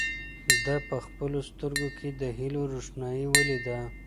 ده په خپلو سترګو کې د هیلو روښنايي ولیده.